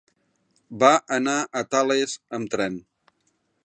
Va anar a Tales amb tren.